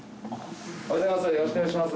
おはようございます。